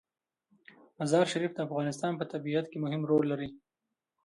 مزارشریف د افغانستان په طبیعت کې مهم رول لري.